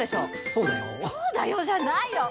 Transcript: そうだよじゃないよ！